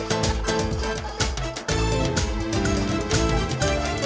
teganya teganya teganya